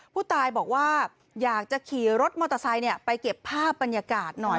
ผู้ตายบอกว่าอยากจะขี่รถมอเตอร์ไซค์ไปเก็บภาพบรรยากาศหน่อย